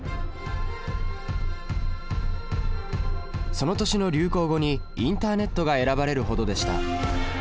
その年の流行語に「インターネット」が選ばれるほどでした。